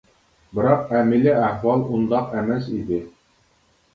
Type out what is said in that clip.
بىراق ئەمەلىي ئەھۋال ئۇنداق ئەمەس ئىدى.